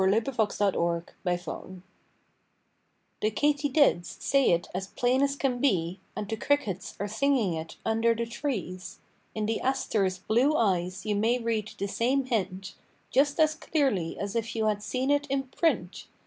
CHEERFUL CHIRPERS THE NEWS The katydids say it as plain as can be And the crickets are singing it under the trees; In the asters' blue eyes you may read the same hint, Just as clearly as if you had seen it in print.